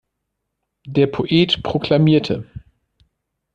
Der Poet proklamierte.